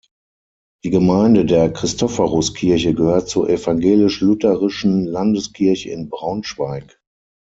Die Gemeinde der Christophoruskirche gehört zur Evangelisch-Lutherischen Landeskirche in Braunschweig.